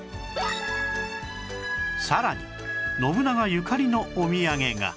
さらに信長ゆかりのお土産が